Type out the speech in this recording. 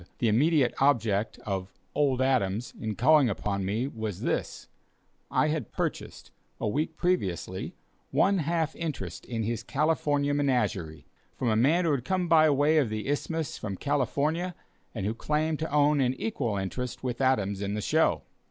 The immediate object of "old Adams" in calling upon me was this; I had purchased, a week previously, one half interest in his California menagerie, from a man who had come by way of the Isthmus from California, and who claimed to own an equal interest with Adams in the show.